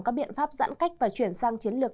các biện pháp giãn cách và chuyển sang chiến lược